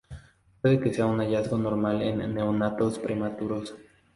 Puede que sea un hallazgo normal en neonatos prematuros.